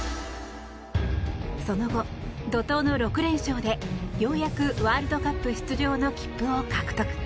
その後、怒とうの６連勝でようやくワールドカップ出場の切符を獲得。